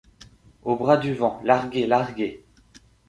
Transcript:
Aux bras du vent ! larguez ! larguez !